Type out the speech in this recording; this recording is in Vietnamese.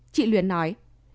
chị luyến nói